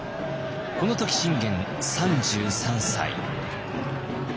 この時信玄３３歳。